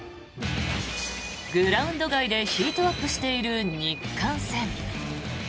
グラウンド外でヒートアップしている日韓戦。